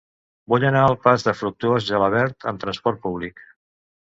Vull anar al pas de Fructuós Gelabert amb trasport públic.